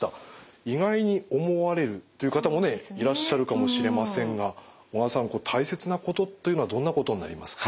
意外に思われるという方もねいらっしゃるかもしれませんが小川さん大切なことというのはどんなことになりますか？